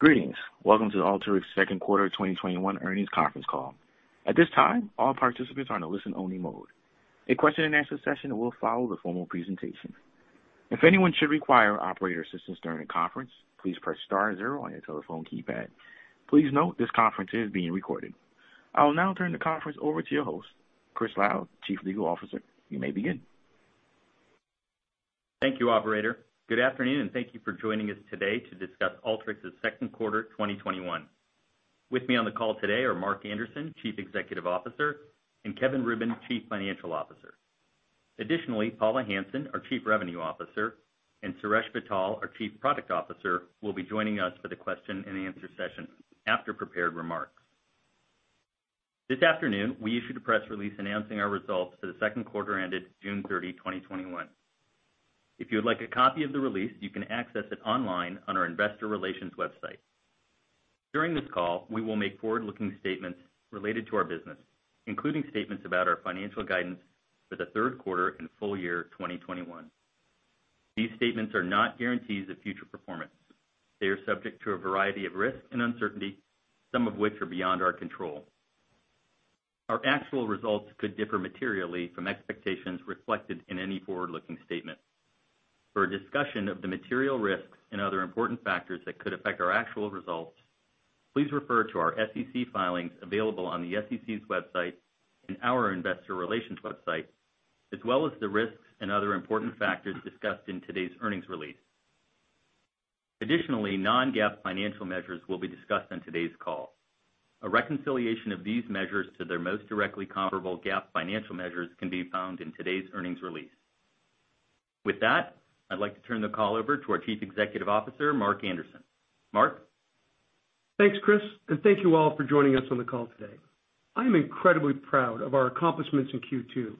Greetings. Welcome to Alteryx's second quarter 2021 earnings conference call. At this time all participants are on listen-only mode. A question-and-answer session will follow the formal presentation. If anyone should require operator assistance during the conference, please press star zero on your telephone keypad. Please note this conference is being recorded. I will now turn the conference over to your host, Chris Lal, Chief Legal Officer. You may begin. Thank you, operator. Good afternoon, and thank you for joining us today to discuss Alteryx's second quarter 2021. With me on the call today are Mark Anderson, Chief Executive Officer, and Kevin Rubin, Chief Financial Officer. Additionally, Paula Hansen, our Chief Revenue Officer, and Suresh Vittal, our Chief Product Officer, will be joining us for the question-and-answer session after prepared remarks. This afternoon, we issued a press release announcing our results for the second quarter ended June 30, 2021. If you would like a copy of the release, you can access it online on our investor relations website. During this call, we will make forward-looking statements related to our business, including statements about our financial guidance for the third quarter and full year 2021. These statements are not guarantees of future performance. They are subject to a variety of risks and uncertainty, some of which are beyond our control. Our actual results could differ materially from expectations reflected in any forward-looking statement. For a discussion of the material risks and other important factors that could affect our actual results, please refer to our SEC filings available on the SEC's website and our investor relations website, as well as the risks and other important factors discussed in today's earnings release. Additionally, non-GAAP financial measures will be discussed on today's call. A reconciliation of these measures to their most directly comparable GAAP financial measures can be found in today's earnings release. With that, I'd like to turn the call over to our Chief Executive Officer, Mark Anderson. Mark? Thanks, Chris, and thank you all for joining us on the call today. I am incredibly proud of our accomplishments in Q2.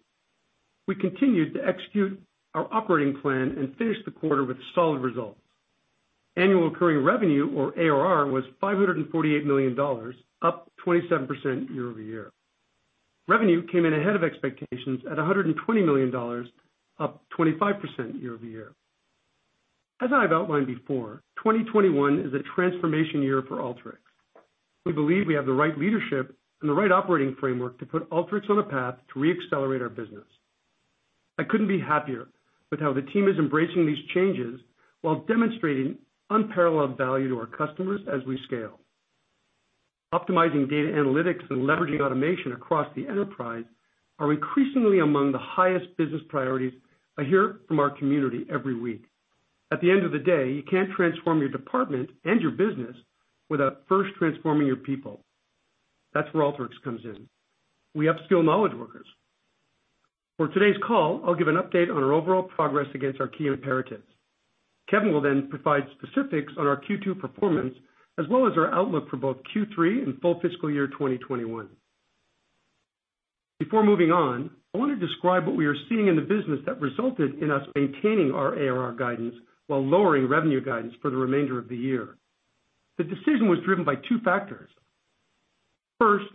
We continued to execute our operating plan and finished the quarter with solid results. Annual recurring revenue, or ARR, was $548 million, up 27% year-over-year. Revenue came in ahead of expectations at $120 million, up 25% year-over-year. As I've outlined before, 2021 is a transformation year for Alteryx. We believe we have the right leadership and the right operating framework to put Alteryx on a path to re-accelerate our business. I couldn't be happier with how the team is embracing these changes while demonstrating unparalleled value to our customers as we scale. Optimizing data analytics and leveraging automation across the enterprise are increasingly among the highest business priorities I hear from our community every week. At the end of the day, you can't transform your department and your business without first transforming your people. That's where Alteryx comes in. We upskill knowledge workers. For today's call, I'll give an update on our overall progress against our key imperatives. Kevin will then provide specifics on our Q2 performance, as well as our outlook for both Q3 and full fiscal year 2021. Before moving on, I want to describe what we are seeing in the business that resulted in us maintaining our ARR guidance while lowering revenue guidance for the remainder of the year. The decision was driven by two factors. First,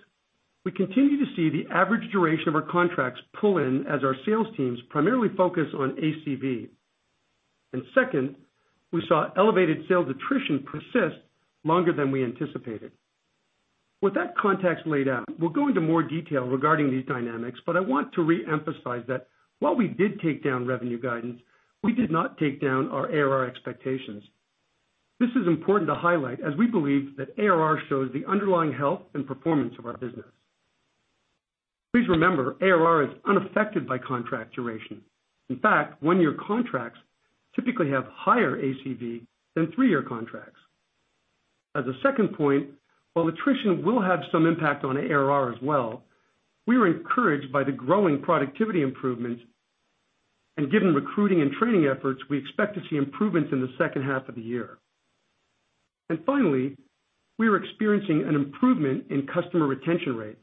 we continue to see the average duration of our contracts pull in as our sales teams primarily focus on ACV. Second, we saw elevated sales attrition persist longer than we anticipated. With that context laid out, we'll go into more detail regarding these dynamics, but I want to re-emphasize that while we did take down revenue guidance, we did not take down our ARR expectations. This is important to highlight, as we believe that ARR shows the underlying health and performance of our business. Please remember, ARR is unaffected by contract duration. In fact, one-year contracts typically have higher ACV than three-year contracts. As a second point, while attrition will have some impact on ARR as well, we are encouraged by the growing productivity improvements, and given recruiting and training efforts, we expect to see improvements in the second half of the year. Finally, we are experiencing an improvement in customer retention rates.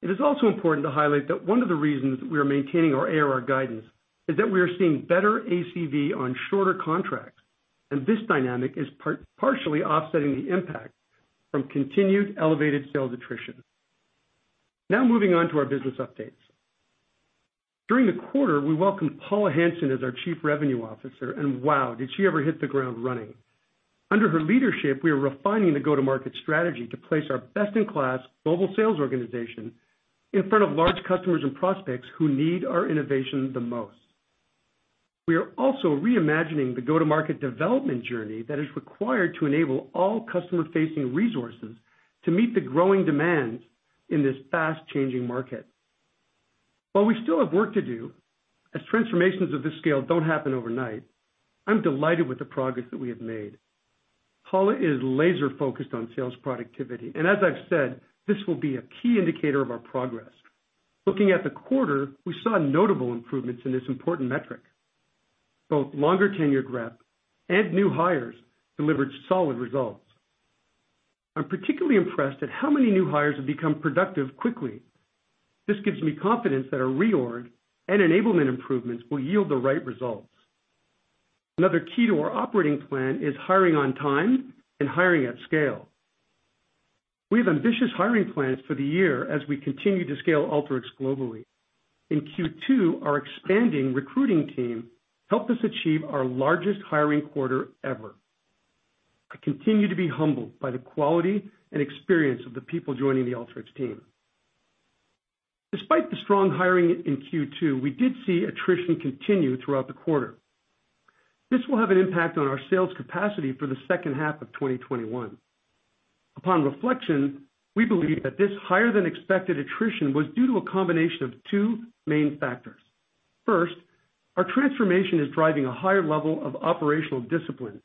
It is also important to highlight that one of the reasons we are maintaining our ARR guidance is that we are seeing better ACV on shorter contracts. This dynamic is partially offsetting the impact from continued elevated sales attrition. Moving on to our business updates. During the quarter, we welcomed Paula Hansen as our Chief Revenue Officer. Wow, did she ever hit the ground running. Under her leadership, we are refining the go-to-market strategy to place our best-in-class global sales organization in front of large customers and prospects who need our innovation the most. We are also reimagining the go-to-market development journey that is required to enable all customer-facing resources to meet the growing demands in this fast-changing market. While we still have work to do, as transformations of this scale don't happen overnight, I'm delighted with the progress that we have made. Paula is laser-focused on sales productivity. As I've said, this will be a key indicator of our progress. Looking at the quarter, we saw notable improvements in this important metric. Both longer tenure rep and new hires delivered solid results. I'm particularly impressed at how many new hires have become productive quickly. This gives me confidence that a reorg and enablement improvements will yield the right results. Another key to our operating plan is hiring on time and hiring at scale. We have ambitious hiring plans for the year as we continue to scale Alteryx globally. In Q2, our expanding recruiting team helped us achieve our largest hiring quarter ever. I continue to be humbled by the quality and experience of the people joining the Alteryx team. Despite the strong hiring in Q2, we did see attrition continue throughout the quarter. This will have an impact on our sales capacity for the second half of 2021. Upon reflection, we believe that this higher than expected attrition was due to a combination of two main factors. First, our transformation is driving a higher level of operational discipline,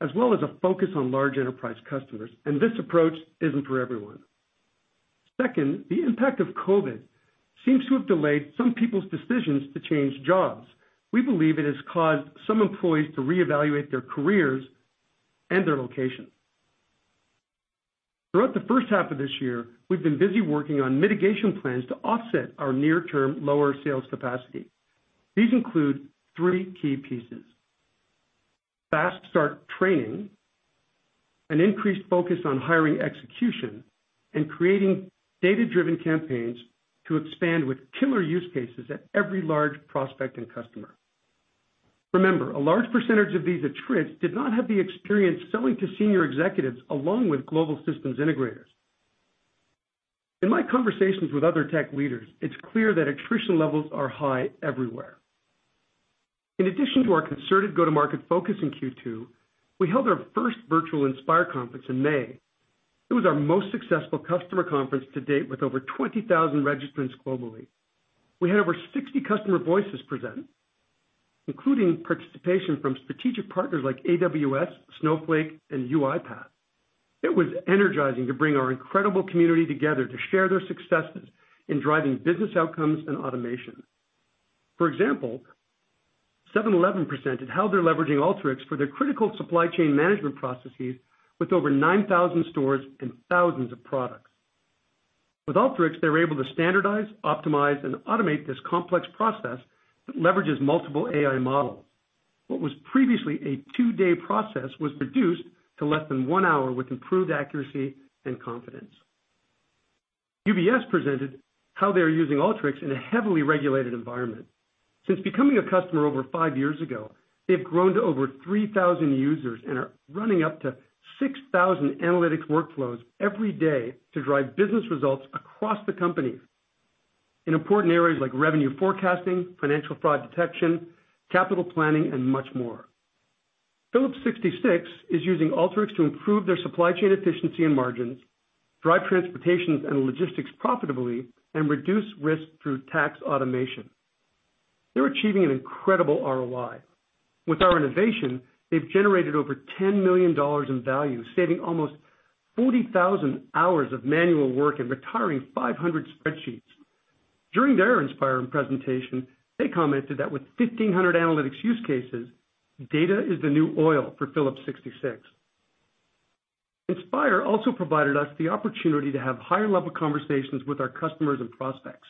as well as a focus on large enterprise customers, and this approach isn't for everyone. Second, the impact of COVID seems to have delayed some people's decisions to change jobs. We believe it has caused some employees to reevaluate their careers and their location. Throughout the first half of this year, we've been busy working on mitigation plans to offset our near-term lower sales capacity. These include three key pieces. Fast start training, an increased focus on hiring execution, and creating data-driven campaigns to expand with killer use cases at every large prospect and customer. Remember, a large percentage of these attrits did not have the experience selling to senior executives along with Global System Integrators. In my conversations with other tech leaders, it's clear that attrition levels are high everywhere. In addition to our concerted go-to-market focus in Q2, we held our first virtual Inspire conference in May. It was our most successful customer conference to date, with over 20,000 registrants globally. We had over 60 customer voices present, including participation from strategic partners like AWS, Snowflake, and UiPath. It was energizing to bring our incredible community together to share their successes in driving business outcomes and automation. For example, 7-Eleven presented how they're leveraging Alteryx for their critical supply chain management processes with over 9,000 stores and thousands of products. With Alteryx, they were able to standardize, optimize, and automate this complex process that leverages multiple AI models. What was previously a two-day process was reduced to less than one hour with improved accuracy and confidence. UBS presented how they're using Alteryx in a heavily regulated environment. Since becoming a customer over five years ago, they've grown to over 3,000 users and are running up to 6,000 analytics workflows every day to drive business results across the company in important areas like revenue forecasting, financial fraud detection, capital planning, and much more. Phillips 66 is using Alteryx to improve their supply chain efficiency and margins, drive transportations and logistics profitably, and reduce risk through tax automation. They're achieving an incredible ROI. With our innovation, they've generated over $10 million in value, saving almost 40,000 hours of manual work and retiring 500 spreadsheets. During their Inspire presentation, they commented that with 1,500 analytics use cases, data is the new oil for Phillips 66. Inspire also provided us the opportunity to have higher-level conversations with our customers and prospects.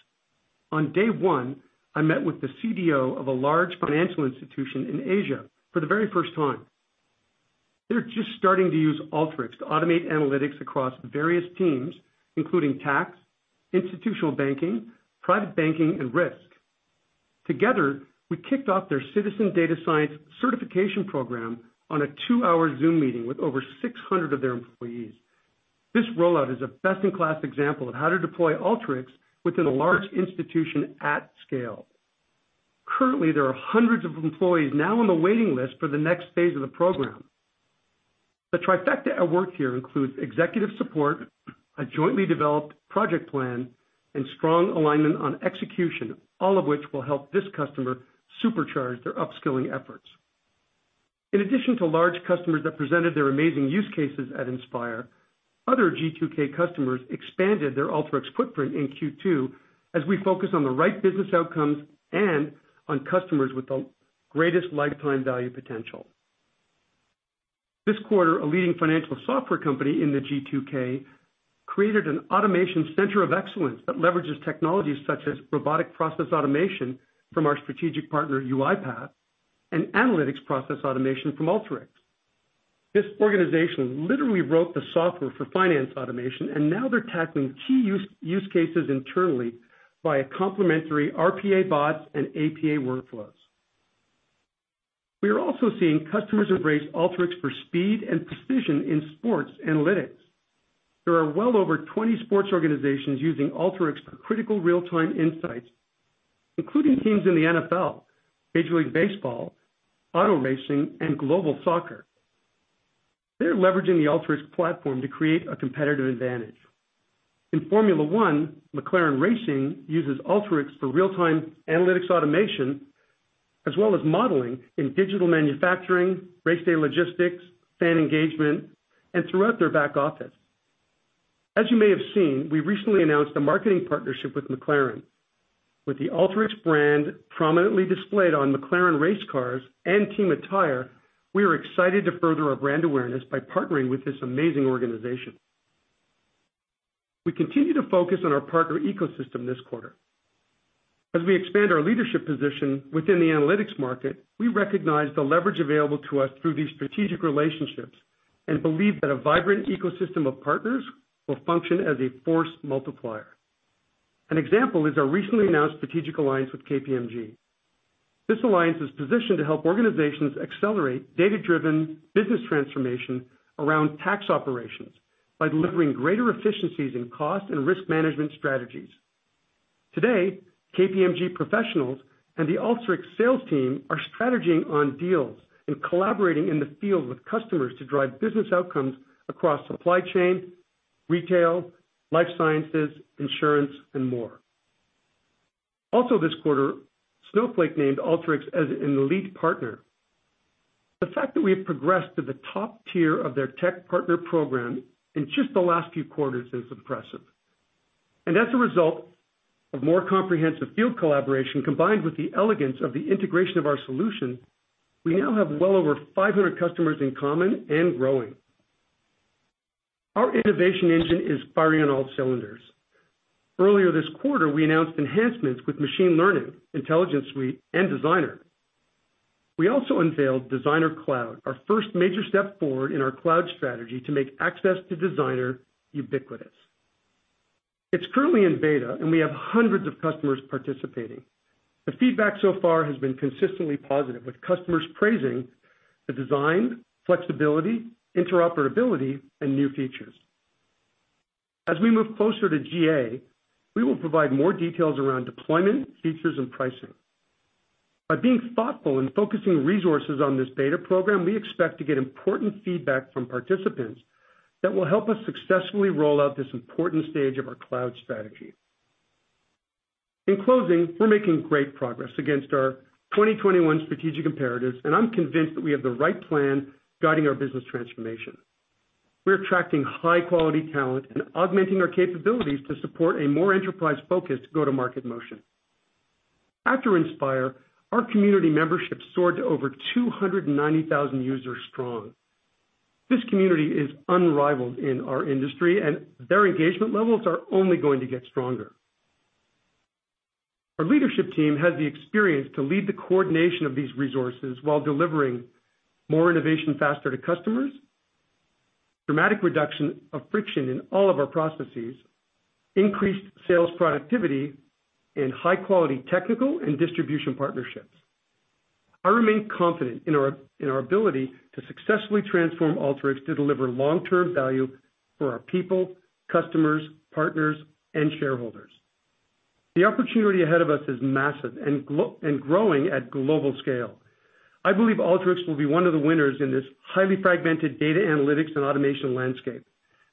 On day one, I met with the CDO of a large financial institution in Asia for the very first time. They're just starting to use Alteryx to automate analytics across various teams, including tax, institutional banking, private banking, and risk. Together, we kicked off their citizen data science certification program on a two-hour Zoom meeting with over 600 of their employees. This rollout is a best-in-class example of how to deploy Alteryx within a large institution at scale. Currently, there are hundreds of employees now on the waiting list for the next phase of the program. The trifecta at work here includes executive support, a jointly developed project plan, and strong alignment on execution, all of which will help this customer supercharge their upskilling efforts. In addition to large customers that presented their amazing use cases at Inspire, other G2K customers expanded their Alteryx footprint in Q2 as we focus on the right business outcomes and on customers with the greatest lifetime value potential. This quarter, a leading financial software company in the G2K created an automation center of excellence that leverages technologies such as robotic process automation from our strategic partner, UiPath, and analytics process automation from Alteryx. This organization literally wrote the software for finance automation and now they're tackling key use cases internally via complimentary RPA bots and APA workflows. We are also seeing customers embrace Alteryx for speed and precision in sports analytics. There are well over 20 sports organizations using Alteryx for critical real-time insights, including teams in the NFL, Major League Baseball, auto racing, and global soccer. They're leveraging the Alteryx platform to create a competitive advantage. In Formula 1, McLaren Racing uses Alteryx for real-time analytics automation, as well as modeling in digital manufacturing, race day logistics, fan engagement, and throughout their back office. As you may have seen, we recently announced a marketing partnership with McLaren. With the Alteryx brand prominently displayed on McLaren race cars and team attire, we are excited to further our brand awareness by partnering with this amazing organization. We continue to focus on our partner ecosystem this quarter. As we expand our leadership position within the analytics market, we recognize the leverage available to us through these strategic relationships and believe that a vibrant ecosystem of partners will function as a force multiplier. An example is our recently announced strategic alliance with KPMG. This alliance is positioned to help organizations accelerate data-driven business transformation around tax operations by delivering greater efficiencies in cost and risk management strategies. Today, KPMG professionals and the Alteryx sales team are strategizing on deals and collaborating in the field with customers to drive business outcomes across supply chain, retail, life sciences, insurance, and more. This quarter, Snowflake named Alteryx as an elite partner. The fact that we have progressed to the top tier of their tech partner program in just the last few quarters is impressive. As a result of more comprehensive field collaboration, combined with the elegance of the integration of our solution, we now have well over 500 customers in common and growing. Our innovation engine is firing on all cylinders. Earlier this quarter, we announced enhancements with machine learning, Intelligence Suite, and Designer. We also unveiled Designer Cloud, our first major step forward in our cloud strategy to make access to Designer ubiquitous. It's currently in beta, and we have hundreds of customers participating. The feedback so far has been consistently positive, with customers praising the design, flexibility, interoperability, and new features. As we move closer to GA, we will provide more details around deployment, features, and pricing. By being thoughtful and focusing resources on this beta program, we expect to get important feedback from participants that will help us successfully roll out this important stage of our cloud strategy. In closing, we're making great progress against our 2021 strategic imperatives, and I'm convinced that we have the right plan guiding our business transformation. We're attracting high-quality talent and augmenting our capabilities to support a more enterprise focus go-to-market motion. After Inspire, our community membership soared to over 290,000 users strong. This community is unrivaled in our industry, and their engagement levels are only going to get stronger. Our leadership team has the experience to lead the coordination of these resources while delivering more innovation faster to customers, dramatic reduction of friction in all of our processes, increased sales productivity, and high-quality technical and distribution partnerships. I remain confident in our ability to successfully transform Alteryx to deliver long-term value for our people, customers, partners, and shareholders. The opportunity ahead of us is massive and growing at global scale. I believe Alteryx will be one of the winners in this highly fragmented data analytics and automation landscape.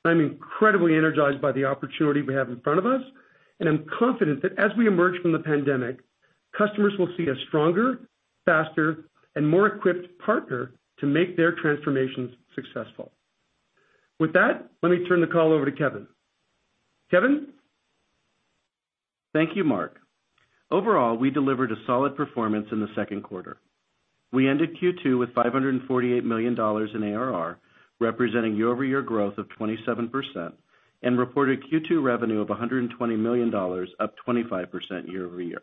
I'm incredibly energized by the opportunity we have in front of us, and I'm confident that as we emerge from the pandemic, customers will see a stronger, faster, and more equipped partner to make their transformations successful. With that, let me turn the call over to Kevin. Kevin? Thank you, Mark. Overall, we delivered a solid performance in the second quarter. We ended Q2 with $548 million in ARR, representing year-over-year growth of 27%, and reported Q2 revenue of $120 million, up 25% year-over-year.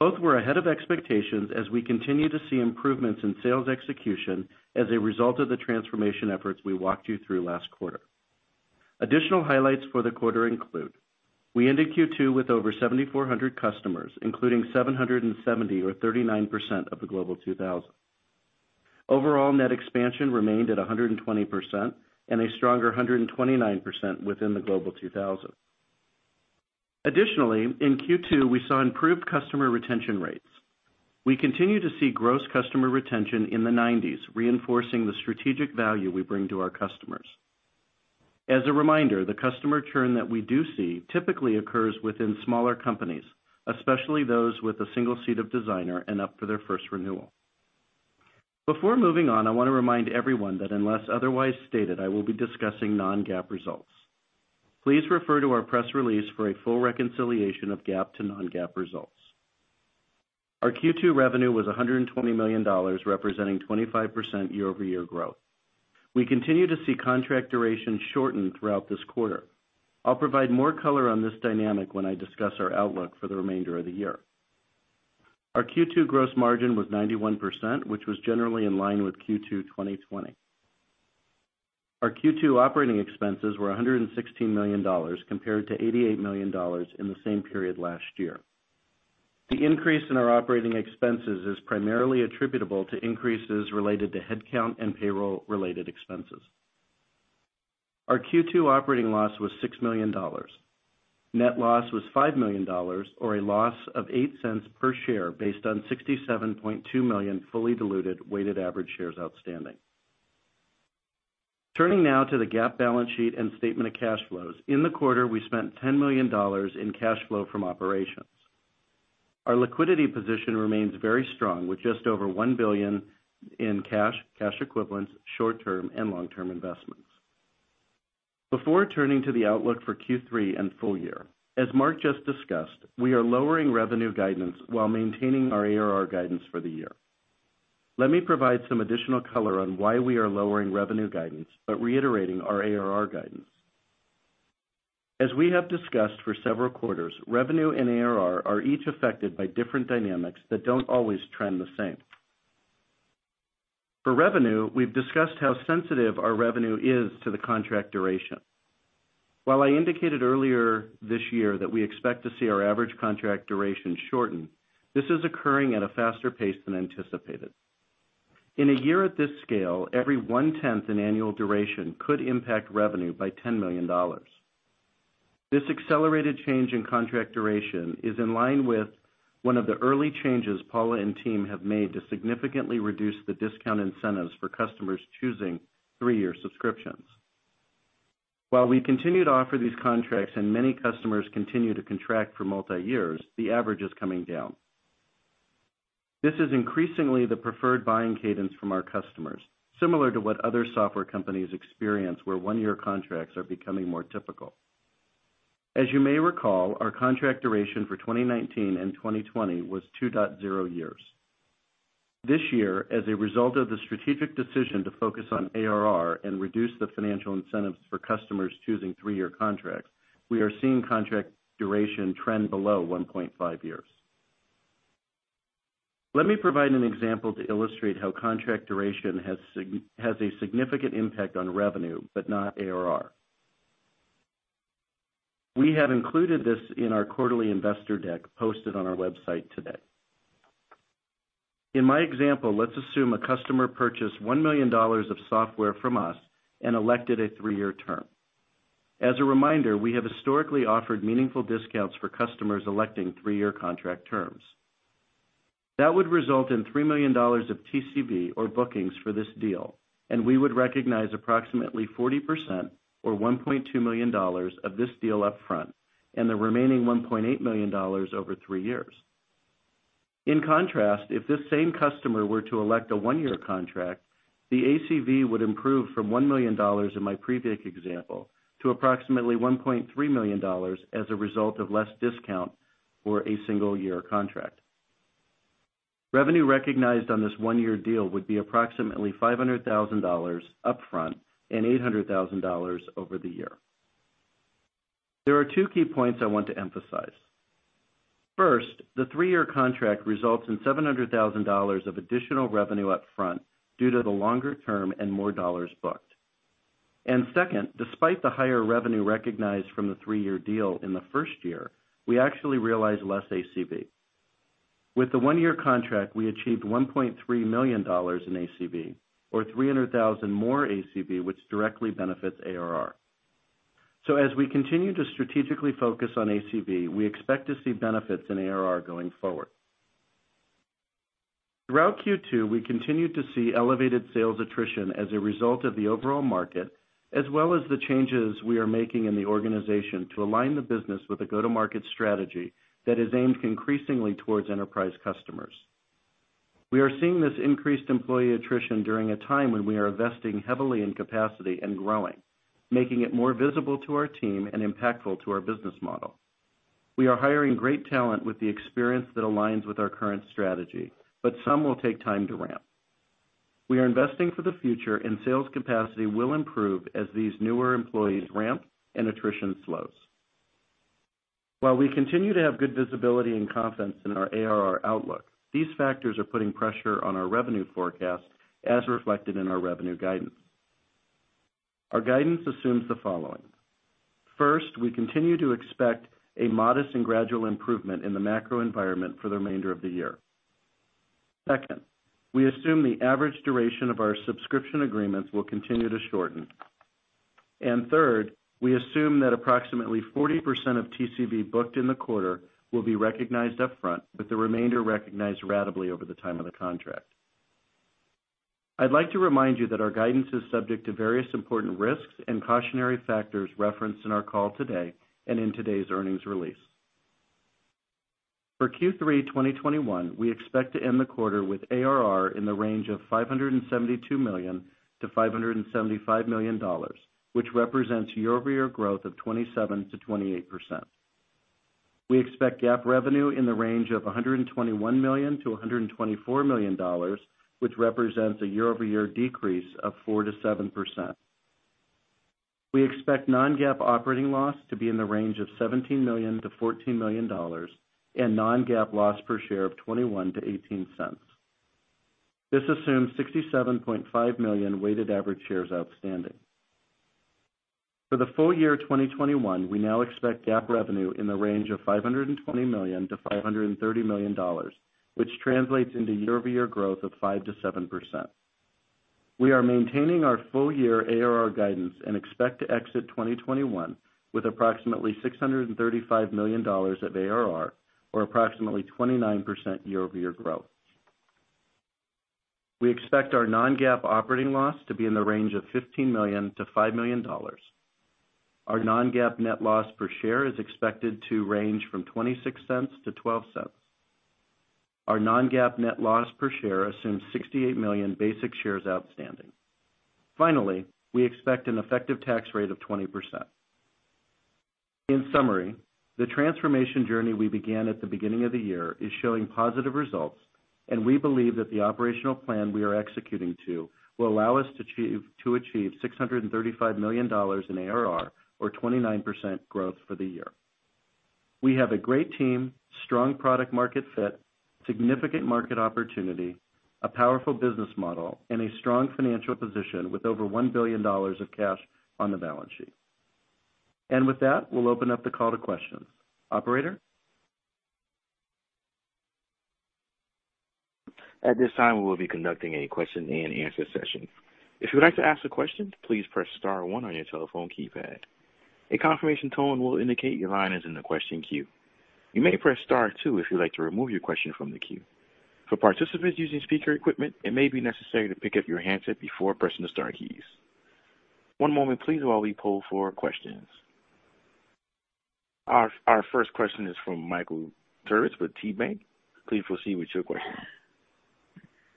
Both were ahead of expectations as we continue to see improvements in sales execution as a result of the transformation efforts we walked you through last quarter. Additional highlights for the quarter include we ended Q2 with over 7,400 customers, including 770 or 39% of the Global 2000. Overall net expansion remained at 120% and a stronger 129% within the Global 2000. Additionally, in Q2, we saw improved customer retention rates. We continue to see gross customer retention in the 90s, reinforcing the strategic value we bring to our customers. As a reminder, the customer churn that we do see typically occurs within smaller companies, especially those with a single seat of Designer and up for their first renewal. Before moving on, I want to remind everyone that unless otherwise stated, I will be discussing non-GAAP results. Please refer to our press release for a full reconciliation of GAAP to non-GAAP results. Our Q2 revenue was $120 million, representing 25% year-over-year growth. We continue to see contract duration shorten throughout this quarter. I'll provide more color on this dynamic when I discuss our outlook for the remainder of the year. Our Q2 gross margin was 91%, which was generally in line with Q2 2020. Our Q2 operating expenses were $116 million, compared to $88 million in the same period last year. The increase in our operating expenses is primarily attributable to increases related to headcount and payroll-related expenses. Our Q2 operating loss was $6 million. Net loss was $5 million, or a loss of $0.08 per share based on 67.2 million fully diluted weighted average shares outstanding. Turning now to the GAAP balance sheet and statement of cash flows. In the quarter, we spent $10 million in cash flow from operations. Our liquidity position remains very strong, with just over $1 billion in cash equivalents, short-term, and long-term investments. Before turning to the outlook for Q3 and full year, as Mark just discussed, we are lowering revenue guidance while maintaining our ARR guidance for the year. Let me provide some additional color on why we are lowering revenue guidance, but reiterating our ARR guidance. As we have discussed for several quarters, revenue and ARR are each affected by different dynamics that don't always trend the same. For revenue, we've discussed how sensitive our revenue is to the contract duration. While I indicated earlier this year that we expect to see our average contract duration shorten, this is occurring at a faster pace than anticipated. In a year at this scale, every one-tenth in annual duration could impact revenue by $10 million. This accelerated change in contract duration is in line with one of the early changes Paula and team have made to significantly reduce the discount incentives for customers choosing three-year subscriptions. While we continue to offer these contracts and many customers continue to contract for multiyear, the average is coming down. This is increasingly the preferred buying cadence from our customers, similar to what other software companies experience, where one-year contracts are becoming more typical. As you may recall, our contract duration for 2019 and 2020 was 2.0 years. This year, as a result of the strategic decision to focus on ARR and reduce the financial incentives for customers choosing three-year contracts, we are seeing contract duration trend below 1.5 years. Let me provide an example to illustrate how contract duration has a significant impact on revenue, but not ARR. We have included this in our quarterly investor deck posted on our website today. In my example, let's assume a customer purchased $1 million of software from us and elected a three-year term. As a reminder, we have historically offered meaningful discounts for customers electing three-year contract terms. That would result in $3 million of TCV or bookings for this deal, and we would recognize approximately 40% or $1.2 million of this deal up front and the remaining $1.8 million over three years. In contrast, if this same customer were to elect a one-year contract, the ACV would improve from $1 million in my previous example to approximately $1.3 million as a result of less discount for a single-year contract. Revenue recognized on this one-year deal would be approximately $500,000 up front and $800,000 over the year. There are two key points I want to emphasize. First, the three-year contract results in $700,000 of additional revenue up front due to the longer term and more dollars booked. Second, despite the higher revenue recognized from the three-year deal in the first year, we actually realize less ACV. With the one-year contract, we achieved $1.3 million in ACV, or $300,000 more ACV, which directly benefits ARR. As we continue to strategically focus on ACV, we expect to see benefits in ARR going forward. Throughout Q2, we continued to see elevated sales attrition as a result of the overall market, as well as the changes we are making in the organization to align the business with a go-to-market strategy that is aimed increasingly towards enterprise customers. We are seeing this increased employee attrition during a time when we are investing heavily in capacity and growing, making it more visible to our team and impactful to our business model. We are hiring great talent with the experience that aligns with our current strategy, but some will take time to ramp. We are investing for the future and sales capacity will improve as these newer employees ramp and attrition slows. While we continue to have good visibility and confidence in our ARR outlook, these factors are putting pressure on our revenue forecast as reflected in our revenue guidance. Our guidance assumes the following. First, we continue to expect a modest and gradual improvement in the macro environment for the remainder of the year. Second, we assume the average duration of our subscription agreements will continue to shorten. Third, we assume that approximately 40% of TCV booked in the quarter will be recognized up front, with the remainder recognized ratably over the time of the contract. I'd like to remind you that our guidance is subject to various important risks and cautionary factors referenced in our call today and in today's earnings release. For Q3 2021, we expect to end the quarter with ARR in the range of $572 million-$575 million, which represents year-over-year growth of 27%-28%. We expect GAAP revenue in the range of $121 million-$124 million, which represents a year-over-year decrease of 4%-7%. We expect non-GAAP operating loss to be in the range of $17 million-$14 million and non-GAAP loss per share of $0.21-$0.18. This assumes 67.5 million weighted average shares outstanding. For the full year 2021, we now expect GAAP revenue in the range of $520 million-$530 million, which translates into year-over-year growth of 5%-7%. We are maintaining our full year ARR guidance and expect to exit 2021 with approximately $635 million of ARR or approximately 29% year-over-year growth. We expect our non-GAAP operating loss to be in the range of $15 million-$5 million. Our non-GAAP net loss per share is expected to range from $0.26-$0.12. Our non-GAAP net loss per share assumes 68 million basic shares outstanding. Finally, we expect an effective tax rate of 20%. In summary, the transformation journey we began at the beginning of the year is showing positive results, and we believe that the operational plan we are executing to will allow us to achieve $635 million in ARR or 29% growth for the year. We have a great team, strong product market fit, significant market opportunity, a powerful business model, and a strong financial position with over $1 billion of cash on the balance sheet. With that, we'll open up the call to questions. Operator? At this time we will be conducting a question-and-answer session. If you would like to ask a question, please press star one on your telephone keypad. A confirmation tone will indicate your line is in the question queue. You may press star two if you would like to remove your question from the cue. For participants using speaker equipment, it may be necessary to pick up your handset before pressing the star keys. One moment please while we poll for questions. Our first question is from Michael Turits with KeyBanc. Please proceed with your question.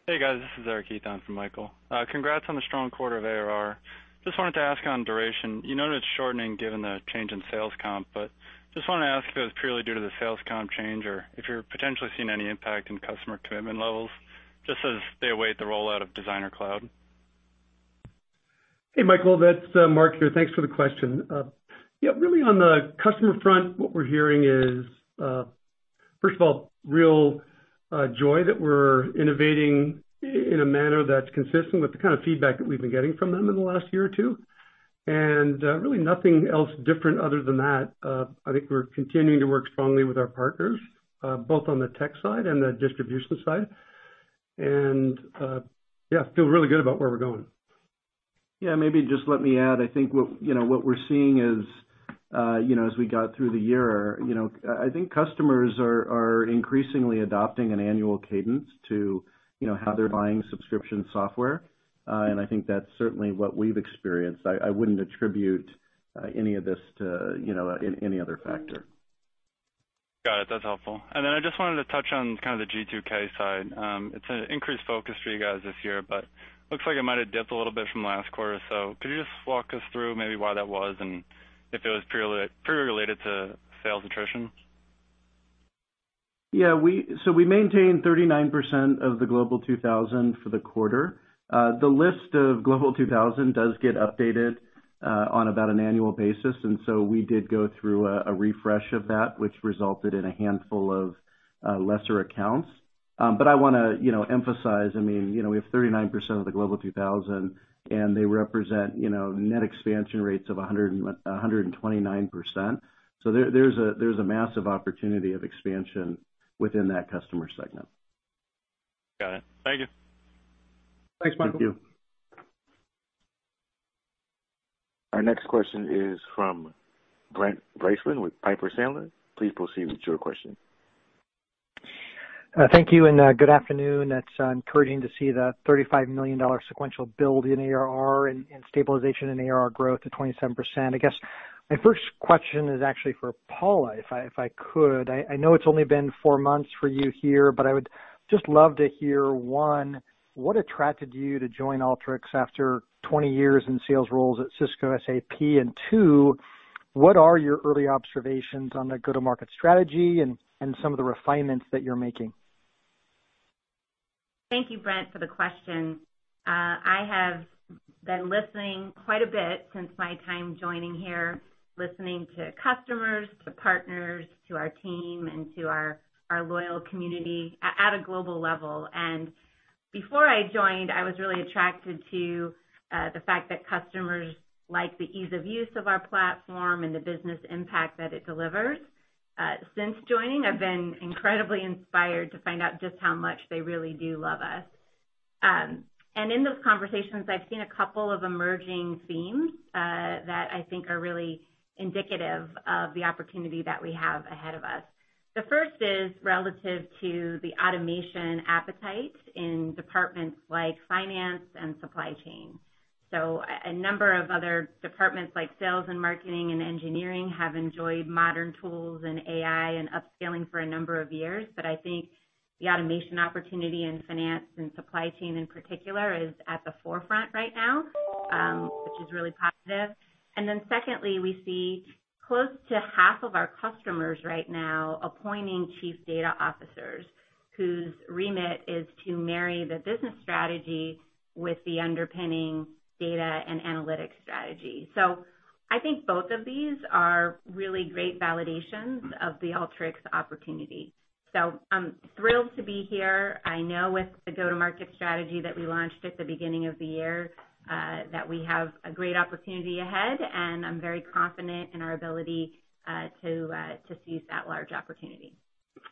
Hey, guys. This is Eric Heath on for Michael. Congrats on the strong quarter of ARR. Just wanted to ask on duration, you noted it's shortening given the change in sales comp, but just wanted to ask if it was purely due to the sales comp change or if you're potentially seeing any impact in customer commitment levels just as they await the rollout of Designer Cloud. Hey, Michael, that's-- Mark here. Thanks for the question. Yeah, really on the customer front, what we're hearing is, first of all, real joy that we're innovating in a manner that's consistent with the kind of feedback that we've been getting from them in the last year or two. Really nothing else different other than that. I think we're continuing to work strongly with our partners, both on the tech side and the distribution side. Yeah, feel really good about where we're going. Yeah. Maybe just let me add, I think what we're seeing is, as we got through the year, I think customers are increasingly adopting an annual cadence to how they're buying subscription software. I think that's certainly what we've experienced. I wouldn't attribute any of this to any other factor. Got it. That's helpful. I just wanted to touch on kind of the G2K side. It's an increased focus for you guys this year, but looks like it might have dipped a little bit from last quarter. Could you just walk us through maybe why that was and if it was purely related to sales attrition? We maintained 39% of the Global 2000 for the quarter. The list of Global 2000 does get updated on about an annual basis. We did go through a refresh of that, which resulted in a handful of lesser accounts. I want to emphasize, we have 39% of the Global 2000, and they represent net expansion rates of 129%. There's a massive opportunity of expansion within that customer segment. Got it. Thank you. Thanks, Michael. Thank you. Our next question is from Brent Bracelin with Piper Sandler. Please proceed with your question. Thank you, and good afternoon. That's encouraging to see the $35 million sequential build in ARR and stabilization in ARR growth to 27%. I guess my first question is actually for Paula, if I could. I know it's only been four months for you here, but I would just love to hear, one, what attracted you to join Alteryx after 20 years in sales roles at Cisco and SAP? And two, what are your early observations on the go-to-market strategy and some of the refinements that you're making? Thank you, Brent, for the question. I have been listening quite a bit since my time joining here, listening to customers, to partners, to our team, and to our loyal community at a global level. Before I joined, I was really attracted to the fact that customers like the ease of use of our platform and the business impact that it delivers. Since joining, I've been incredibly inspired to find out just how much they really do love us. In those conversations, I've seen a couple of emerging themes, that I think are really indicative of the opportunity that we have ahead of us. The first is relative to the automation appetite in departments like finance and supply chain. A number of other departments like sales and marketing and engineering have enjoyed modern tools and AI and upskilling for a number of years. I think the automation opportunity in finance and supply chain in particular is at the forefront right now, which is really positive. Secondly, we see close to half of our customers right now appointing Chief Data Officers whose remit is to marry the business strategy with the underpinning data and analytics strategy. I think both of these are really great validations of the Alteryx opportunity. I'm thrilled to be here. I know with the go-to-market strategy that we launched at the beginning of the year, that we have a great opportunity ahead, and I'm very confident in our ability to seize that large opportunity.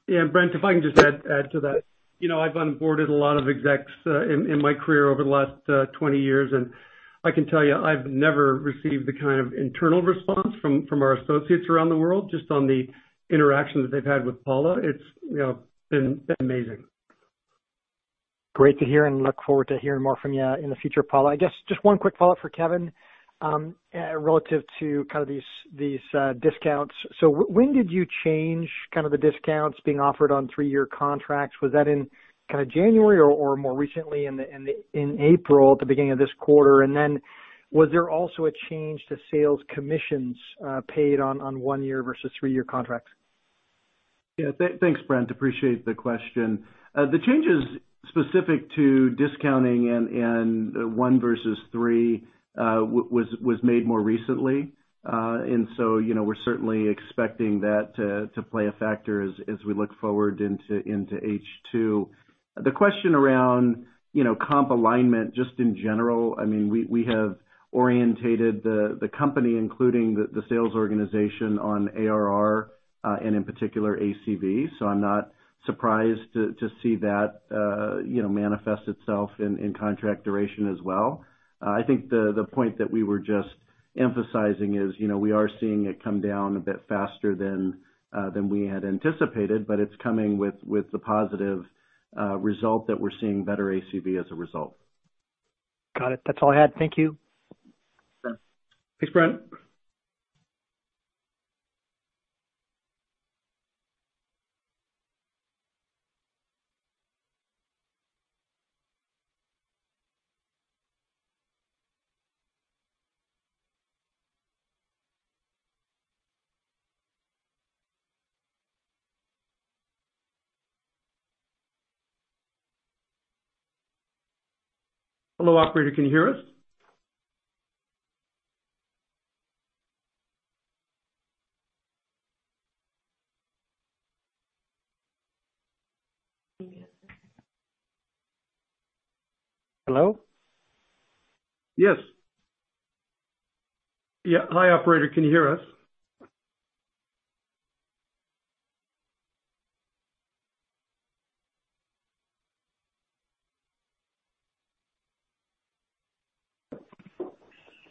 Yeah, Brent, if I can just add to that. I've onboarded a lot of execs in my career over the last 20 years, and I can tell you, I've never received the kind of internal response from our associates around the world just on the interaction that they've had with Paula. It's been amazing. Great to hear and look forward to hearing more from you in the future, Paula. I guess just one quick follow-up for Kevin, relative to kind of these discounts. When did you change kind of the discounts being offered on three-year contracts? Was that in kind of January or more recently in April at the beginning of this quarter? Was there also a change to sales commissions paid on one-year versus three-year contracts? Yeah. Thanks, Brent. Appreciate the question. The changes specific to discounting and one versus three, was made more recently. We're certainly expecting that to play a factor as we look forward into H2. The question around comp alignment just in general, we have orientated the company, including the sales organization on ARR, and in particular ACV. I'm not surprised to see that manifest itself in contract duration as well. I think the point that we were just emphasizing is, we are seeing it come down a bit faster than we had anticipated, but it's coming with the positive result that we're seeing better ACV as a result. Got it. That's all I had. Thank you. Sure. Thanks, Brent. Hello, operator, can you hear us? Hello? Yes. Hi, operator, can you hear us?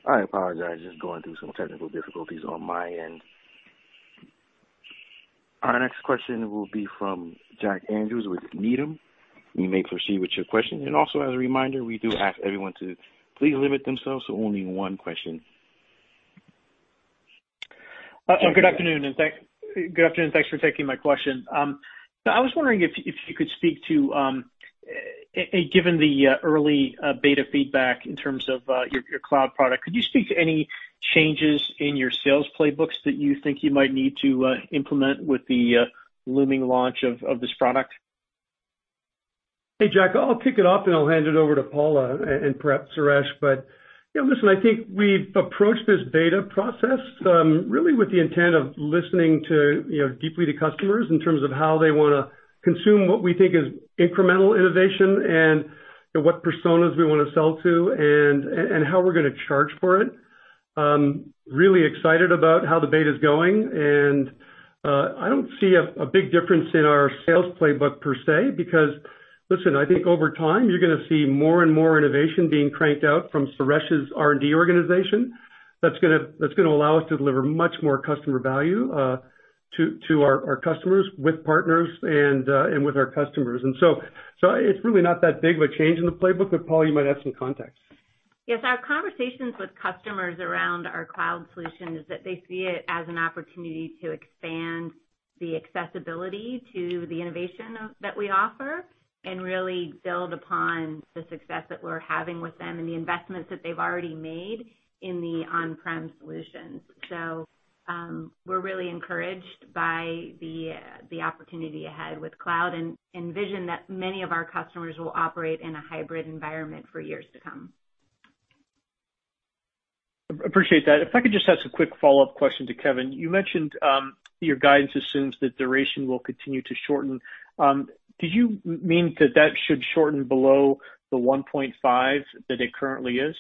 I apologize. Just going through some technical difficulties on my end. Our next question will be from Jack Andrews with Needham. You may proceed with your question, and also as a reminder, we do ask everyone to please limit themselves to only one question. Good afternoon, and thanks for taking my question. I was wondering if you could speak to, given the early beta feedback in terms of your cloud product, could you speak to any changes in your sales playbooks that you think you might need to implement with the looming launch of this product? Hey, Jack. I'll kick it off, and I'll hand it over to Paula and perhaps Suresh. listen, I think we've approached this beta process really with the intent of listening deeply to customers in terms of how they want to consume what we think is incremental innovation, and what personas we want to sell to and how we're going to charge for it. Really excited about how the beta's going, and I don't see a big difference in our sales playbook per se, because listen, I think over time you're going to see more and more innovation being cranked out from Suresh's R&D organization that's going to allow us to deliver much more customer value to our customers, with partners and with our customers. It's really not that big of a change in the playbook, but Paula, you might have some context. Yes, our conversations with customers around our cloud solution is that they see it as an opportunity to expand the accessibility to the innovation that we offer and really build upon the success that we're having with them and the investments that they've already made in the on-prem solutions. We're really encouraged by the opportunity ahead with cloud and envision that many of our customers will operate in a hybrid environment for years to come. Appreciate that. If I could just ask a quick follow-up question to Kevin. You mentioned your guidance assumes that duration will continue to shorten. Did you mean that that should shorten below the 1.5 that it currently is?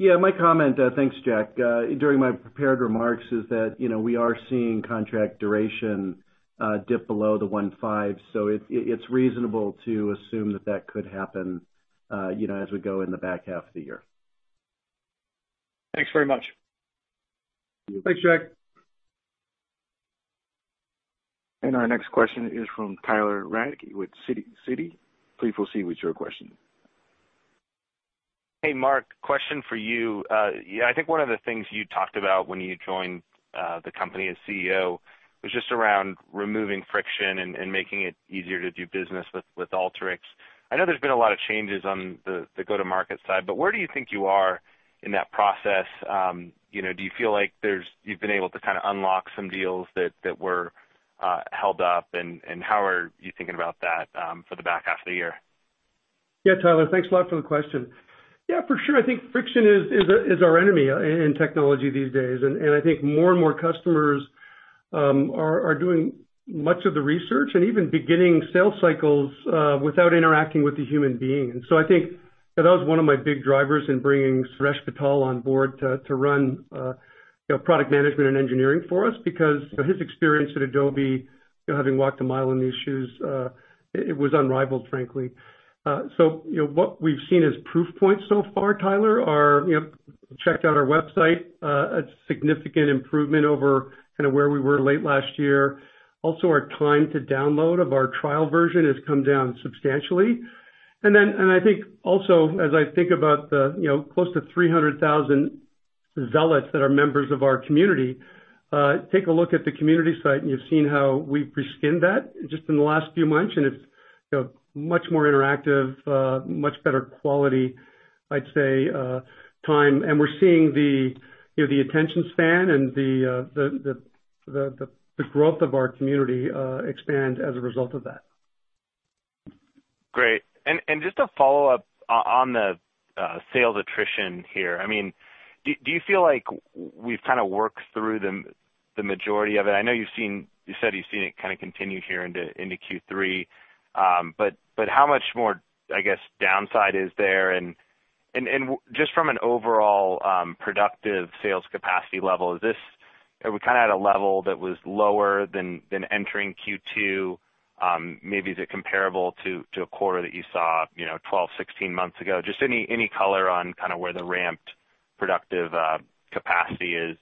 Yeah, my comment, thanks, Jack, during my prepared remarks is that we are seeing contract duration dip below the 1.5. It's reasonable to assume that that could happen as we go in the back half of the year. Thanks very much. Thanks, Jack. Our next question is from Tyler Radke with Citi. Please proceed with your question. Hey, Mark. Question for you. I think one of the things you talked about when you joined the company as CEO was just around removing friction and making it easier to do business with Alteryx. I know there's been a lot of changes on the go-to-market side, but where do you think you are in that process? Do you feel like you've been able to unlock some deals that were held up, and how are you thinking about that for the back half of the year? Tyler, thanks a lot for the question. For sure. I think friction is our enemy in technology these days. I think more and more customers are doing much of the research and even beginning sales cycles without interacting with a human being. I think that was one of my big drivers in bringing Suresh Vittal on board to run product management and engineering for us, because his experience at Adobe, having walked a mile in these shoes, it was unrivaled, frankly. What we've seen as proof points so far, Tyler, are, check out our website, a significant improvement over where we were late last year. Also, our time to download of our trial version has come down substantially. I think also as I think about the close to 300,000 Zealots that are members of our community, take a look at the community site, and you've seen how we've re-skinned that just in the last few months. Much more interactive, much better quality, I'd say, time. We're seeing the attention span and the growth of our community expand as a result of that. Great. Just to follow up on the sales attrition here. Do you feel like we've kind of worked through the majority of it? I know you said you've seen it kind of continue here into Q3, but how much more, I guess, downside is there? Just from an overall productive sales capacity level, are we kind of at a level that was lower than entering Q2? Maybe is it comparable to a quarter that you saw 12, 16 months ago? Just any color on kind of where the ramped productive capacity is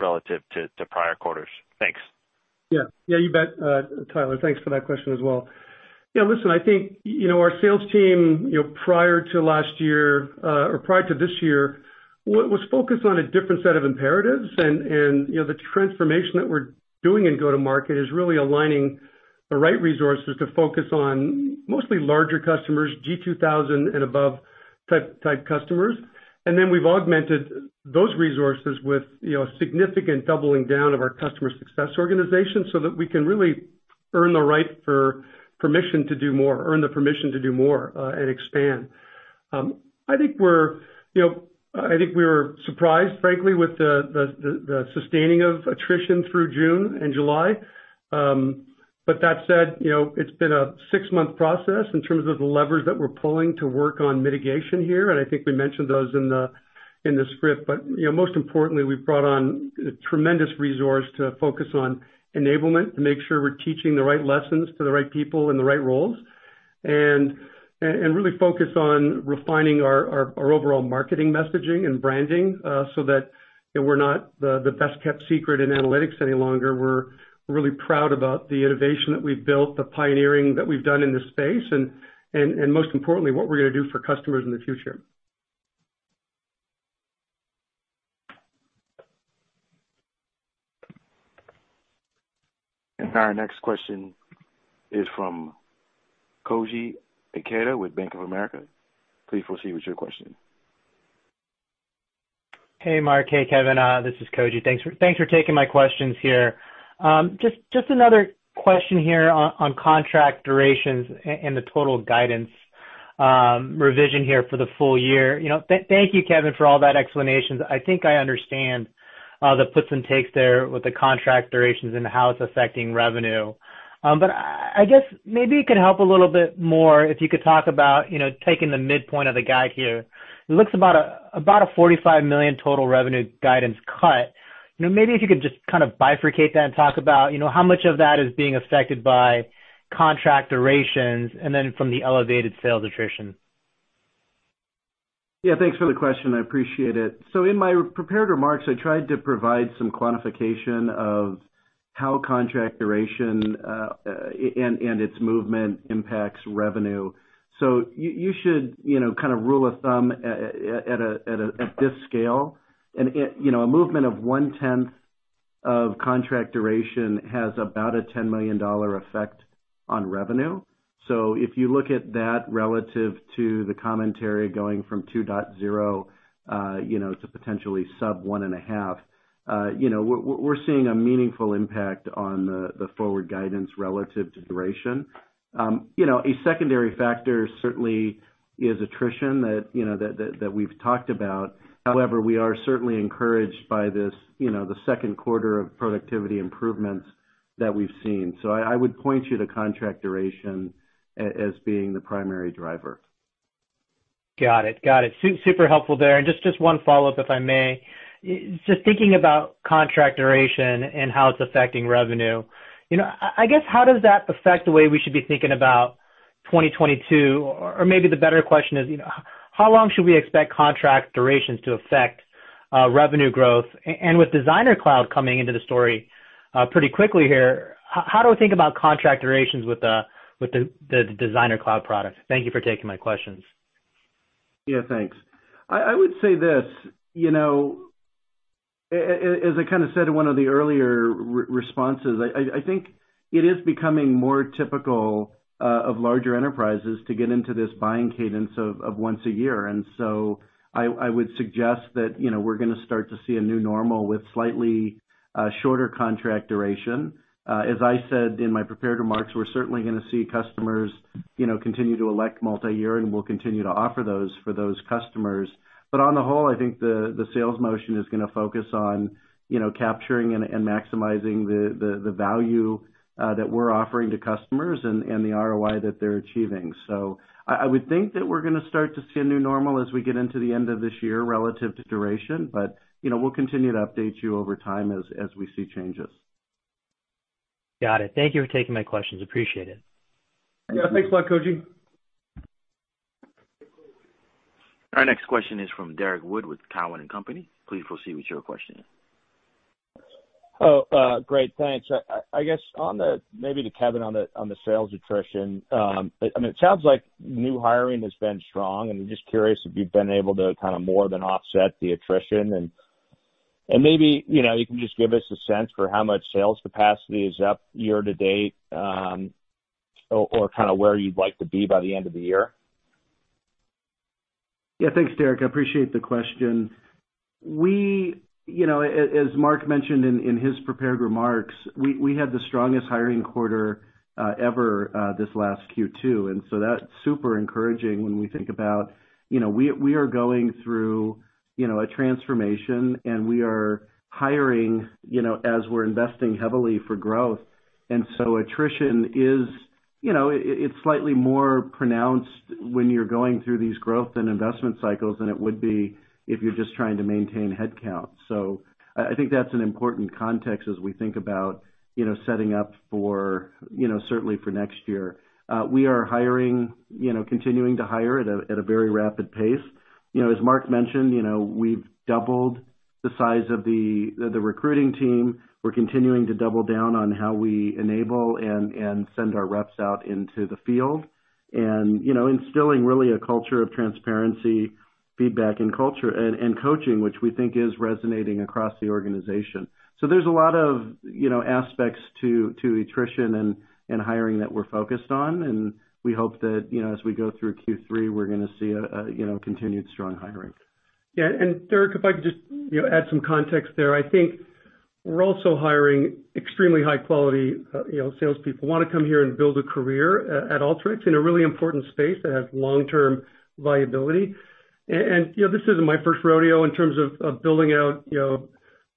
relative to prior quarters? Thanks. Yeah, you bet, Tyler. Thanks for that question as well. Listen, I think, our sales team prior to last year or prior to this year, was focused on a different set of imperatives. The transformation that we're doing in go-to-market is really aligning the right resources to focus on mostly larger customers, G2000 and above type customers. We've augmented those resources with a significant doubling down of our customer success organization so that we can really earn the right for permission to do more, earn the permission to do more, and expand. I think we were surprised, frankly, with the sustaining of attrition through June and July. That said, it's been a six-month process in terms of the levers that we're pulling to work on mitigation here, and I think we mentioned those in the script. Most importantly, we've brought on a tremendous resource to focus on enablement to make sure we're teaching the right lessons to the right people in the right roles. Really focus on refining our overall marketing messaging and branding, so that we're not the best-kept secret in analytics any longer. We're really proud about the innovation that we've built, the pioneering that we've done in this space, and most importantly, what we're going to do for customers in the future. Our next question is from Koji Ikeda with Bank of America. Please proceed with your question. Hey, Mark. Hey, Kevin. This is Koji. Thanks for taking my questions here. Just another question here on contract durations and the total guidance revision here for the full year. Thank you, Kevin, for all that explanation. I think I understand the puts and takes there with the contract durations and how it's affecting revenue. I guess maybe it could help a little bit more if you could talk about taking the midpoint of the guide here. It looks about a $45 million total revenue guidance cut. Maybe if you could just kind of bifurcate that and talk about how much of that is being affected by contract durations and then from the elevated sales attrition. Yeah, thanks for the question. I appreciate it. In my prepared remarks, I tried to provide some quantification of how contract duration and its movement impacts revenue. You should kind of rule of thumb at this scale, and a movement of 0.1 of contract duration has about a $10 million effect on revenue. If you look at that relative to the commentary going from 2.0 to potentially sub 1.5, we're seeing a meaningful impact on the forward guidance relative to duration. A secondary factor certainly is attrition that we've talked about. However, we are certainly encouraged by the second quarter of productivity improvements that we've seen. I would point you to contract duration as being the primary driver. Got it. Super helpful there. Just one follow-up, if I may. Just thinking about contract duration and how it's affecting revenue. How does that affect the way we should be thinking about 2022? Maybe the better question is, how long should we expect contract durations to affect revenue growth? With Designer Cloud coming into the story pretty quickly here, how do we think about contract durations with the Designer Cloud product? Thank you for taking my questions. Yeah, thanks. I would say this. As I kind of said in one of the earlier responses, I think it is becoming more typical of larger enterprises to get into this buying cadence of once a year. I would suggest that we're going to start to see a new normal with slightly shorter contract duration. As I said in my prepared remarks, we're certainly going to see customers continue to elect multi-year, and we'll continue to offer those for those customers. On the whole, I think the sales motion is going to focus on capturing and maximizing the value that we're offering to customers and the ROI that they're achieving. I would think that we're going to start to see a new normal as we get into the end of this year relative to duration, but we'll continue to update you over time as we see changes. Got it. Thank you for taking my questions. Appreciate it. Yeah, thanks a lot, Koji. Our next question is from Derrick Wood with Cowen and Company. Please proceed with your question. Oh, great. Thanks. I guess, maybe to Kevin on the sales attrition. It sounds like new hiring has been strong, and I'm just curious if you've been able to kind of more than offset the attrition. Maybe, you can just give us a sense for how much sales capacity is up year to date, or where you'd like to be by the end of the year? Thanks, Derrick. I appreciate the question. As Mark mentioned in his prepared remarks, we had the strongest hiring quarter ever this last Q2. That's super encouraging when we think about how we are going through a transformation. We are hiring as we're investing heavily for growth. Attrition is slightly more pronounced when you're going through these growth and investment cycles than it would be if you're just trying to maintain headcount. I think that's an important context as we think about setting up certainly for next year. We are continuing to hire at a very rapid pace. As Mark mentioned, we've doubled the size of the recruiting team. We're continuing to double down on how we enable and send our reps out into the field and instilling really a culture of transparency, feedback, and coaching, which we think is resonating across the organization. There's a lot of aspects to attrition and hiring that we're focused on, and we hope that, as we go through Q3, we're going to see a continued strong hiring. Yeah. Derrick, if I could just add some context there. I think we're also hiring extremely high-quality salespeople who want to come here and build a career at Alteryx in a really important space that has long-term viability. This isn't my first rodeo in terms of building out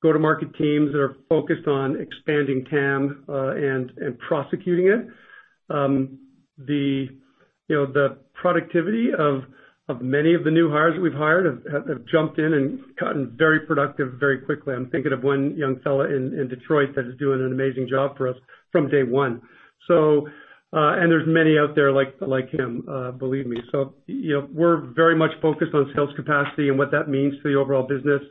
go-to-market teams that are focused on expanding TAM and prosecuting it. The productivity of many of the new hires that we've hired have jumped in and gotten very productive very quickly. I'm thinking of one young fella in Detroit that is doing an amazing job for us from day one. There's many out there like him, believe me. We're very much focused on sales capacity and what that means for the overall business.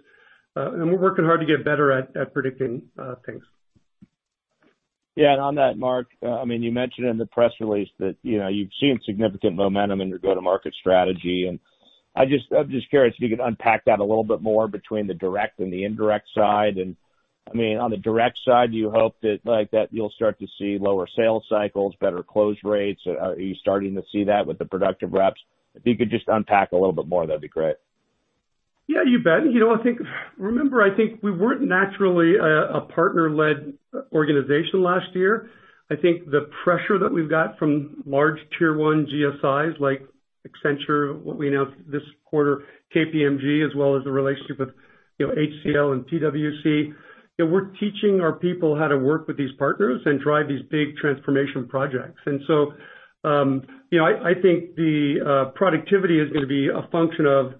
We're working hard to get better at predicting things. Yeah. On that, Mark, you mentioned in the press release that you've seen significant momentum in your go-to-market strategy, and I'm just curious if you could unpack that a little bit more between the direct and the indirect side. On the direct side, do you hope that you'll start to see lower sales cycles, better close rates? Are you starting to see that with the productive reps? If you could just unpack a little bit more, that'd be great. Yeah, you bet. Remember, I think we weren't naturally a partner-led organization last year. I think the pressure that we've got from large tier 1 GSIs like Accenture, what we announced this quarter, KPMG, as well as the relationship with HCL and PwC. We're teaching our people how to work with these partners and drive these big transformation projects. I think the productivity is going to be a function of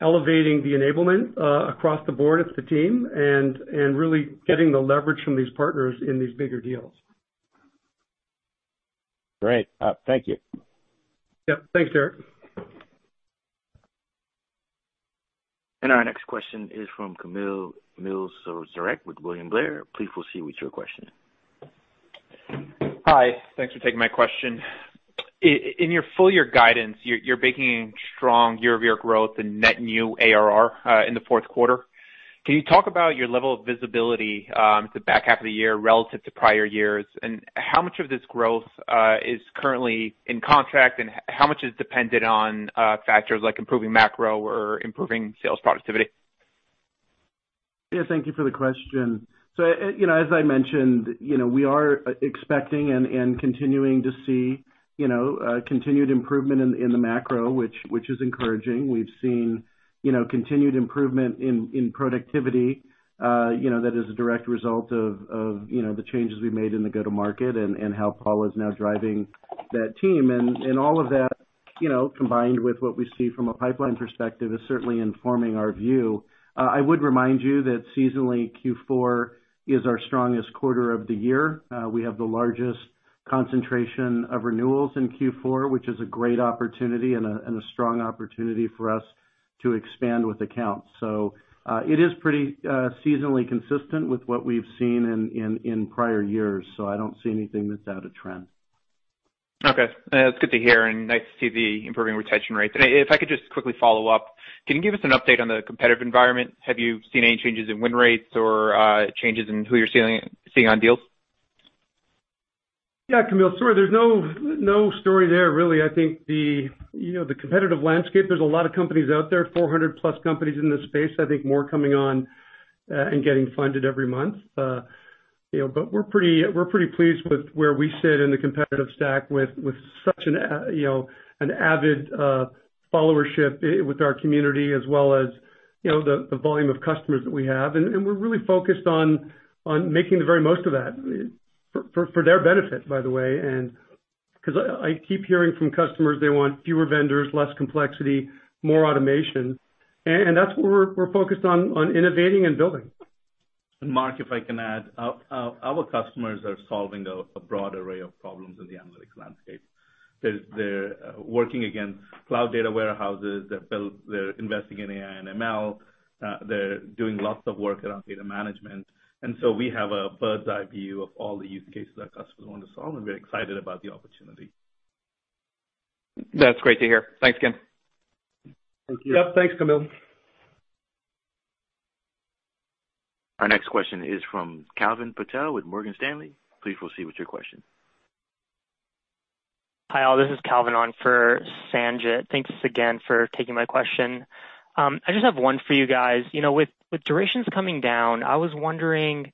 elevating the enablement across the board of the team and really getting the leverage from these partners in these bigger deals. Great. Thank you. Yep. Thanks, Derrick. Our next question is from Kamil Mielczarek with William Blair. Please proceed with your question. Hi. Thanks for taking my question. In your full year guidance, you're baking in strong year-over-year growth and net new ARR in the fourth quarter. Can you talk about your level of visibility to the back half of the year relative to prior years, and how much of this growth is currently in contract, and how much is dependent on factors like improving macro or improving sales productivity? Yeah. Thank you for the question. As I mentioned, we are expecting and continuing to see continued improvement in the macro, which is encouraging. We've seen continued improvement in productivity that is a direct result of the changes we made in the go-to market and how Paula is now driving that team. All of that, combined with what we see from a pipeline perspective, is certainly informing our view. I would remind you that seasonally, Q4 is our strongest quarter of the year. We have the largest concentration of renewals in Q4, which is a great opportunity and a strong opportunity for us to expand with accounts. It is pretty seasonally consistent with what we've seen in prior years, so I don't see anything that's out of trend. Okay. That's good to hear and nice to see the improving retention rates. If I could just quickly follow up, can you give us an update on the competitive environment? Have you seen any changes in win rates or changes in who you're seeing on deals? Yeah, Kamil. There's no story there, really. I think the competitive landscape, there's a lot of companies out there, 400+ companies in this space, I think more coming on and getting funded every month. We're pretty pleased with where we sit in the competitive stack with such an avid followership with our community, as well as the volume of customers that we have. We're really focused on making the very most of that, for their benefit, by the way, because I keep hearing from customers they want fewer vendors, less complexity, more automation. That's what we're focused on innovating and building. Mark, if I can add, our customers are solving a broad array of problems in the analytics landscape. They're working against cloud data warehouses. They're investing in AI and ML. They're doing lots of work around data management. We have a bird's-eye view of all the use cases our customers want to solve, and we're excited about the opportunity. That's great to hear. Thanks again. Thank you. Yep. Thanks, Kamil. Our next question is from Calvin Patel with Morgan Stanley. Please proceed with your question. Hi, all. This is Calvin on for Sanjit. Thanks again for taking my question. I just have one for you guys. With durations coming down, I was wondering,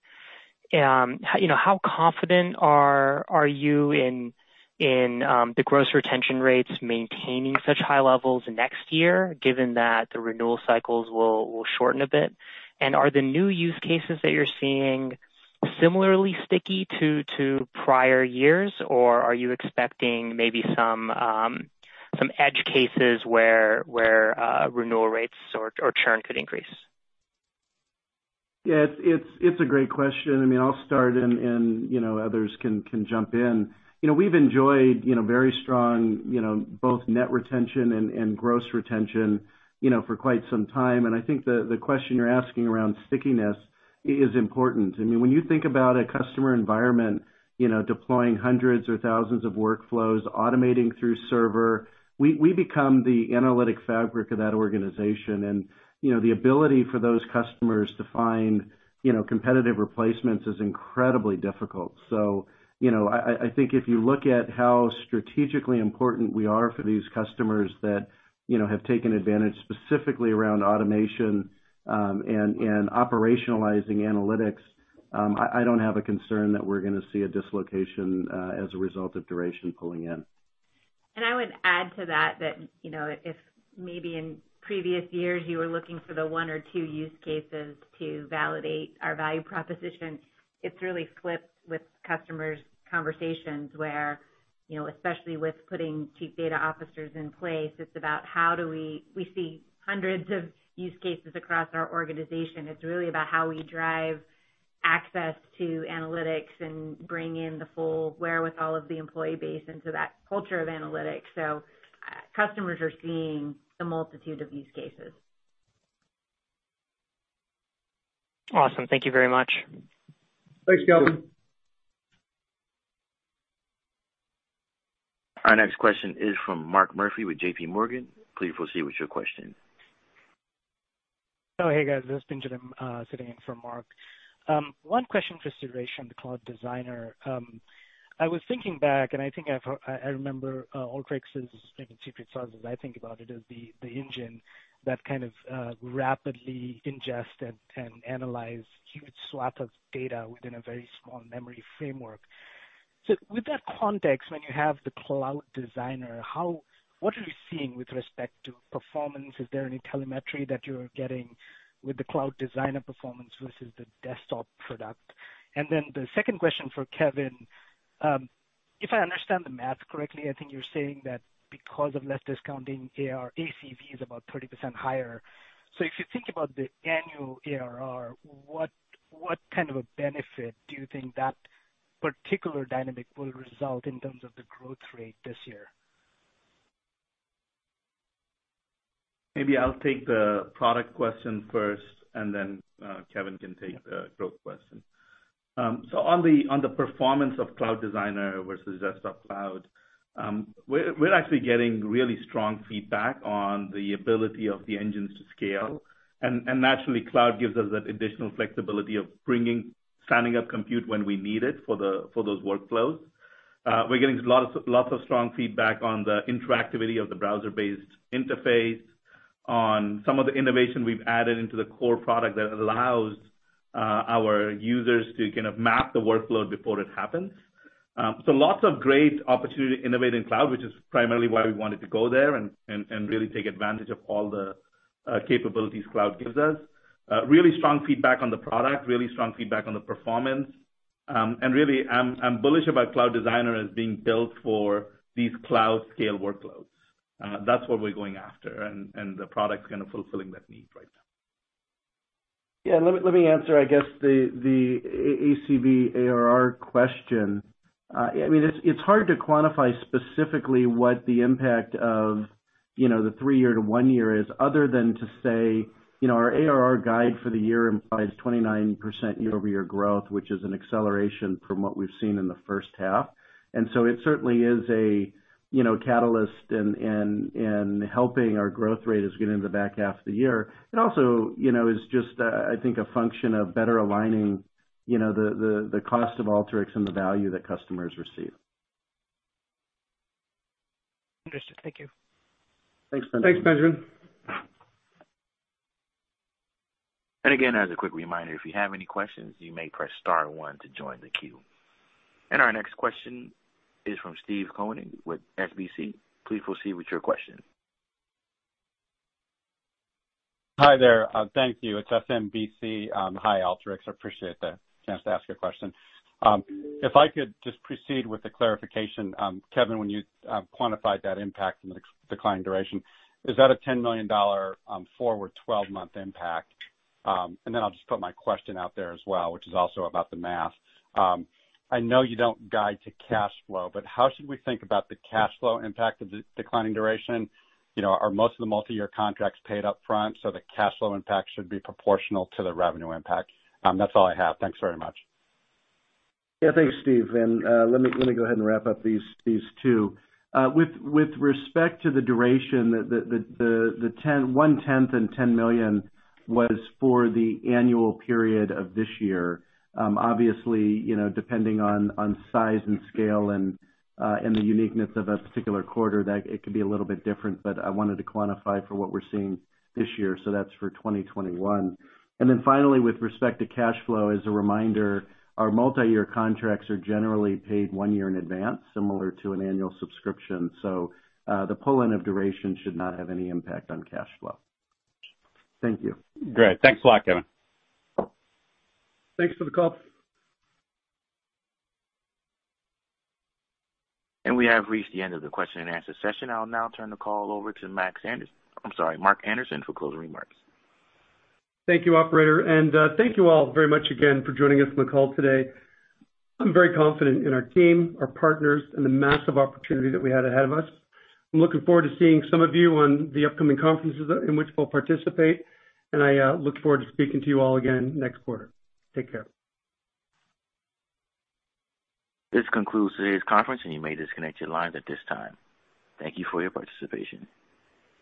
how confident are you in the gross retention rates maintaining such high levels next year, given that the renewal cycles will shorten a bit? Are the new use cases that you're seeing similarly sticky to prior years? Are you expecting maybe some edge cases where renewal rates or churn could increase? Yeah, it's a great question. I'll start and others can jump in. We've enjoyed very strong both net retention and gross retention for quite some time. I think the question you're asking around stickiness is important. When you think about a customer environment deploying hundreds or thousands of workflows, automating through server, we become the analytic fabric of that organization. The ability for those customers to find competitive replacements is incredibly difficult. I think if you look at how strategically important we are for these customers that have taken advantage specifically around automation, and operationalizing analytics, I don't have a concern that we're going to see a dislocation as a result of duration pulling in. I would add to that, if maybe in previous years you were looking for the one or two use cases to validate our value proposition, it's really flipped with customers' conversations where, especially with putting chief data officers in place, it's about how do we see hundreds of use cases across our organization. It's really about how we drive access to analytics and bring in the full wherewithal of the employee base into that culture of analytics. Customers are seeing a multitude of use cases. Awesome. Thank you very much. Thanks, Calvin. Our next question is from Mark Murphy with JPMorgan. Please proceed with your question. Oh, hey guys, this is Pinjalim sitting in for Mark. One question for consideration, the Cloud Designer. I was thinking back, and I think I remember Alteryx's secret sauce, as I think about it, as the engine that kind of rapidly ingest and analyze huge swath of data within a very small memory framework. With that context, when you have the Cloud Designer, what are you seeing with respect to performance? Is there any telemetry that you're getting with the Cloud Designer performance versus the Desktop product? The second question for Kevin, if I understand the math correctly, I think you're saying that because of less discounting, ACV is about 30% higher. If you think about the annual ARR, what kind of a benefit do you think that particular dynamic will result in terms of the growth rate this year? Maybe I'll take the product question first, and then Kevin can take the growth question. On the performance of Cloud Designer versus Desktop Cloud, we're actually getting really strong feedback on the ability of the engines to scale. Naturally, cloud gives us that additional flexibility of bringing, standing up compute when we need it for those workflows. We're getting lots of strong feedback on the interactivity of the browser-based interface, on some of the innovation we've added into the core product that allows our users to kind of map the workload before it happens. Lots of great opportunity to innovate in cloud, which is primarily why we wanted to go there and really take advantage of all the capabilities cloud gives us. Really strong feedback on the product. Really strong feedback on the performance. Really, I'm bullish about Alteryx Designer Cloud as being built for these cloud-scale workloads. That's what we're going after, and the product's kind of fulfilling that need right now. Yeah, let me answer, I guess, the ACV ARR question. It's hard to quantify specifically what the impact of the three-year to one-year is other than to say our ARR guide for the year implies 29% year-over-year growth, which is an acceleration from what we've seen in the first half. It certainly is a catalyst in helping our growth rate as we get into the back half of the year. It also is just, I think, a function of better aligning the cost of Alteryx and the value that customers receive. Understood. Thank you. Thanks, Pinjalim. Thanks, Pinjalim. Again, as a quick reminder, if you have any questions, you may press star one to join the queue. Our next question is from Steve Koenig with SMBC. Please proceed with your question. Hi there. Thank you. It's SMBC. Hi, Alteryx. I appreciate the chance to ask a question. If I could just proceed with the clarification, Kevin, when you quantified that impact from the decline in duration, is that a $10 million forward 12-month impact? I'll just put my question out there as well, which is also about the math. I know you don't guide to cash flow, but how should we think about the cash flow impact of the declining duration? Are most of the multi-year contracts paid up front so the cash flow impact should be proportional to the revenue impact? That's all I have. Thanks very much. Yeah, thanks, Steve. Let me go ahead and wrap up these two. With respect to the duration, the one-tenth and $10 million was for the annual period of this year. Obviously, depending on size and scale and the uniqueness of a particular quarter, it could be a little bit different, but I wanted to quantify for what we're seeing this year, so that's for 2021. Finally, with respect to cash flow, as a reminder, our multi-year contracts are generally paid one year in advance, similar to an annual subscription. The pull-in of duration should not have any impact on cash flow. Thank you. Great. Thanks a lot, Kevin. Thanks for the call. We have reached the end of the question and answer session. I'll now turn the call over to Mark Anderson for closing remarks. Thank you, operator. Thank you all very much again for joining us on the call today. I'm very confident in our team, our partners, and the massive opportunity that we have ahead of us. I'm looking forward to seeing some of you on the upcoming conferences in which we'll participate, and I look forward to speaking to you all again next quarter. Take care. This concludes today's conference, and you may disconnect your lines at this time. Thank you for your participation.